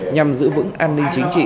nhằm giữ vững an ninh chính trị